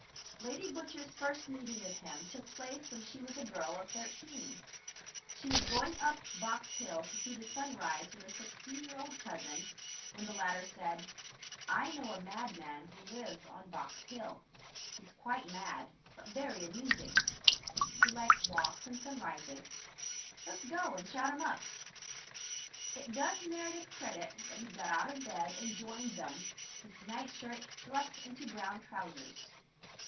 Lady Butcher's first meeting with him took place when she was a girl of thirteen. She was going up Box Hill to see the sun rise with a sixteen year old cousin, when the latter said: "I know a madman who lives on Box Hill. He's quite mad, but very amusing; he likes walks and sunrises. Let's go and shout him up!" It does Meredith credit that he got out of bed and joined them, "his nightshirt thrust into brown trousers."